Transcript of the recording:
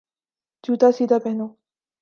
جوتا سیدھا پہنو